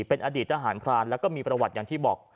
เป็นอดีตทหารพรานแล้วก็มีประวัติอย่างที่บอก